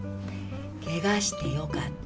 ケガしてよかった。